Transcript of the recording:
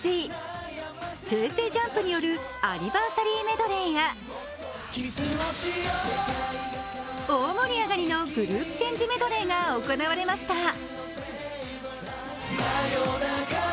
ＪＵＭＰによるアニバーサリーメドレーや大盛り上がりのグループチェンジメドレーが行われました。